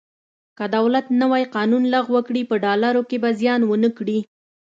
که دولت نوی قانون لغوه کړي په ډالرو کې به زیان ونه کړي.